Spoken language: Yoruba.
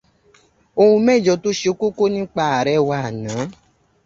Ohun mẹ́jọ tó ṣe kókó nípa Ààrẹ wa àná.